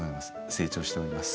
成長しております。